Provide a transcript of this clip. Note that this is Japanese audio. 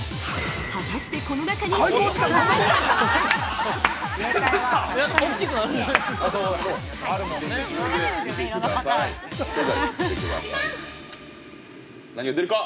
◆果たして、この中に正解はあるのか！？